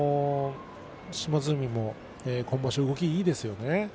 島津海も今場所動きがいいですよね。